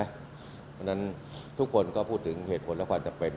เพราะฉะนั้นทุกคนก็พูดถึงเหตุผลและความจำเป็น